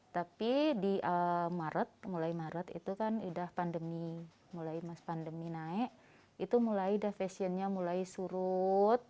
tapi di maret mulai maret itu kan udah pandemi mulai mas pandemi naik itu mulai dah fashionnya mulai surut